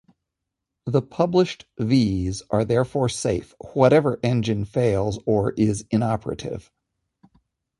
The published V's are therefore safe, whatever engine fails or is inoperative.